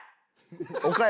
岡山。